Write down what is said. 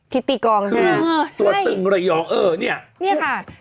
ทิติกองค่ะตัวตึงระยองเออเนี่ยค่ะนี่ค่ะคือ